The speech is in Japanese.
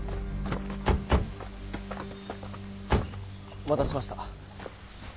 お待たせしました。